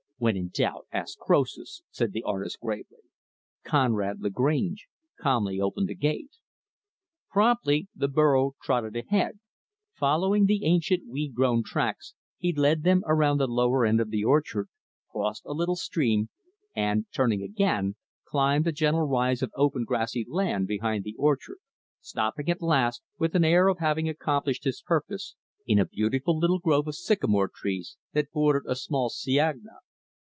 "When in doubt, ask Croesus," said the artist, gravely. Conrad Lagrange calmly opened the gate. Promptly, the burro trotted ahead. Following the ancient weed grown tracks, he led them around the lower end of the orchard; crossed a little stream; and, turning again, climbed a gentle rise of open, grassy land behind the orchard; stopping at last, with an air of having accomplished his purpose, in a beautiful little grove of sycamore trees that bordered a small cienaga.